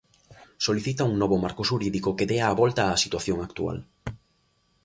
Solicita un novo marco xurídico que dea a volta á situación actual.